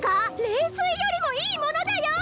霊水よりもいいものだよ！